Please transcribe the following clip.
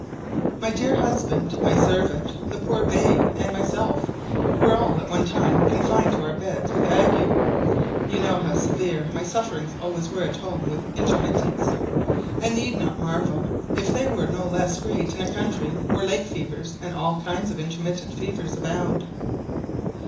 My dear husband, my servant, the poor babe, and myself, were all at one time confined to our beds with ague. You know how severe my sufferings always were at home with intermittents, and need not marvel if they were no less great in a country where lake fevers and all kinds of intermittent fevers abound.